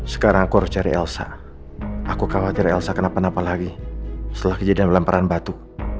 sekarang aku harus cari elsa aku khawatir elsa kenapa napa lagi setelah kejadian pelemparan batu